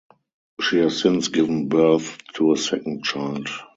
She has since given birth to a second child.